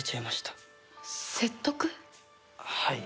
はい。